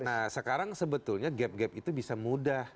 nah sekarang sebetulnya gap gap itu bisa mudah